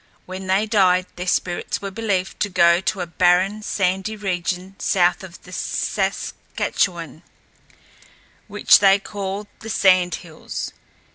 When they died their spirits were believed to go to a barren, sandy region south of the Saskatchewan, which they called the Sand Hills.